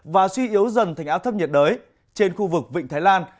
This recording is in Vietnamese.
và suy yếu dần thành áp thấp nhiệt đới trên khu vực vịnh thái lan